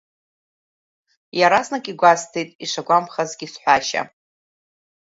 Иаразнак игәасҭеит ишагәамԥхазгьы сҳәашьа…